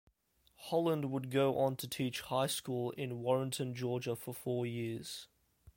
Holland would go on to teach high school in Warrenton, Georgia for four years.